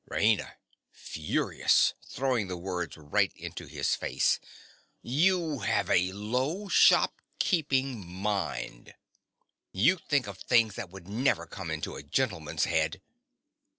RAINA. (furious—throwing the words right into his face). You have a low, shopkeeping mind. You think of things that would never come into a gentleman's head.